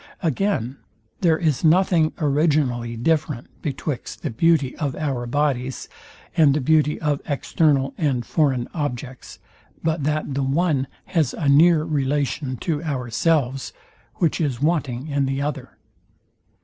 Again; there is nothing originally different betwixt the beauty of our bodies and the beauty of external and foreign objects, but that the one has a near relation to ourselves, which is wanting in the other.